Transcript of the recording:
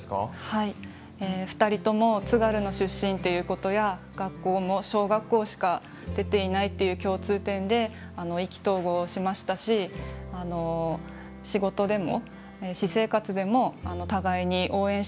はい２人とも津軽の出身っていうことや学校も小学校しか出ていないっていう共通点で意気投合しましたし仕事でも私生活でも互いに応援し合って欠かせない存在だったと思います。